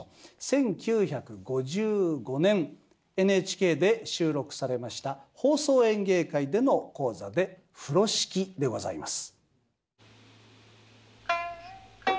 １９５５年ＮＨＫで収録されました「放送演芸会」での高座で「風呂敷」でございます。